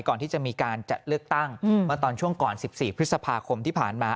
ก่อนที่จะมีการจัดเลือกตั้งเมื่อตอนช่วงก่อน๑๔พฤษภาคมที่ผ่านมา